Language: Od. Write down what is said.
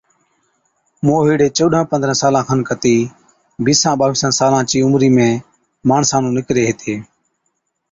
موهِيڙي چوڏهن پندرهن سالان کن ڪتِي بِيسان ٻاوِيسان سالان چِي عمري ۾ ماڻسان نُون نِڪري هِتي۔